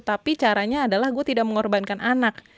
tapi caranya adalah gue tidak mengorbankan anak